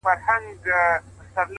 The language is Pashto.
ستا د رخسار خبري ډيري ښې دي;